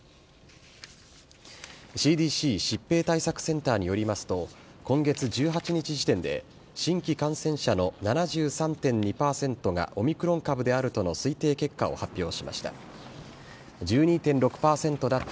ＣＤＣ・疾病対策センターによりますと、今月１８日時点で、新規感染者の７３．２％がオミクロン株であるとの推定結果を発表しました。